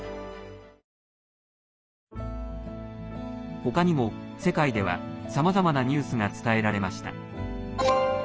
他にも世界ではさまざまなニュースが伝えられました。